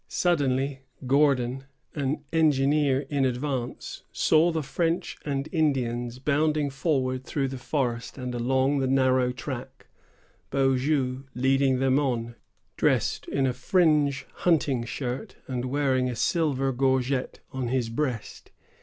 Suddenly, Gordon, an engineer in advance, saw the French and Indians bounding forward through the forest and along the narrow track, Beaujeu leading them on, dressed in a fringed hunting shirt, and wearing a silver gorget on his breast.